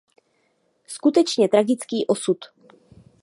Skutečně tragický osud.